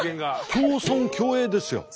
共存共栄ですよ。